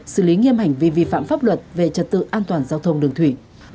xử lý nghiêm hành vi vi phạm pháp luật về trật tự an toàn giao thông đường thủy